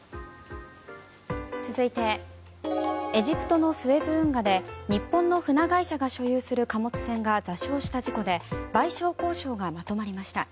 続いてエジプトのスエズ運河で日本の船会社が所有する貨物船が座礁した事故で賠償交渉がまとまりました。